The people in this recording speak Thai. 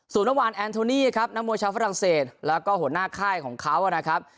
ส่วนเมื่อวานแอนโทนี่ครับนักมวยชาวฝรั่งเศสแล้วก็หัวหน้าค่ายของเขานะครับ